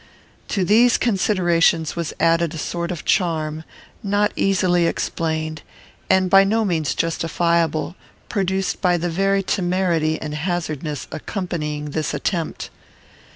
To these considerations was added a sort of charm, not easily explained, and by no means justifiable, produced by the very temerity and hazardness accompanying this attempt.